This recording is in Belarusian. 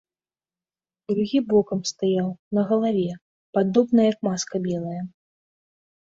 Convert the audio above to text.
Другі бокам стаяў, на галаве, падобна, як маска белая.